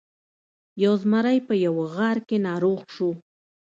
یو زمری په یوه غار کې ناروغ شو.